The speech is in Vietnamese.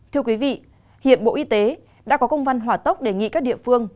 thưa quý vị hiện bộ y tế đã có công văn hỏa tốc đề nghị các địa phương